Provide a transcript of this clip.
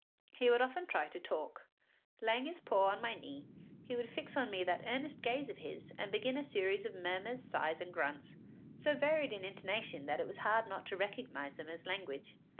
He would often try to talk; laying his paw on my knee, he would fix on me that earnest gaze of his and begin a series of murmurs, sighs, and grunts, so varied in intonation that it was hard not to recognise them as language.